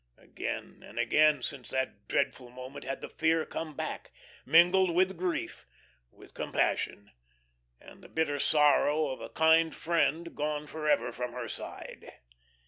Again and again since that dreadful moment had the fear come back, mingled with grief, with compassion, and the bitter sorrow of a kind friend gone forever from her side.